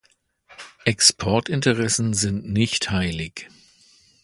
Exportinteressen sind nicht heilig.